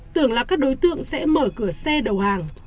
tưởng là các đối tượng sẽ mở cửa xe đầu hàng